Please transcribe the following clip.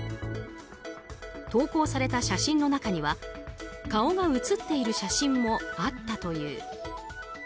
投稿された写真の中には顔が写っている写真もあったという。